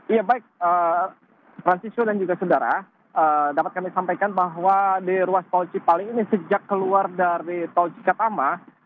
iya baik rasiswa dan juga saudara dapat kami sampaikan bahwa di ruas tol cipali ini sejak keluar dari tol cikatama